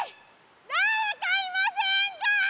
誰かいませんか？